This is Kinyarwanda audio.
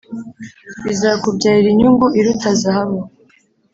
bizakubyarira inyungu iruta zahabu!